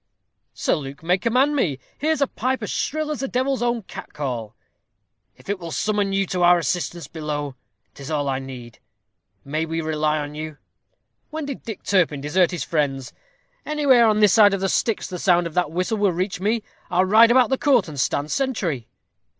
"Sir Luke may command me. Here's a pipe as shrill as the devil's own cat call." "If it will summon you to our assistance below, 'tis all I need. May we rely on you?" "When did Dick Turpin desert his friends? Anywhere on this side the Styx the sound of that whistle will reach me. I'll ride about the court, and stand sentry."